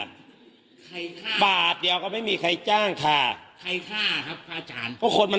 ใบบาทเดียวก็ไม่มีใครจ้างค่ะ